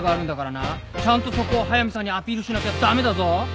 ちゃんとそこを速見さんにアピールしなきゃ駄目だぞ！